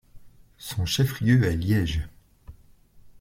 Son chef-lieu est Liège.